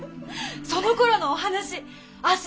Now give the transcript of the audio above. そのころのお話明日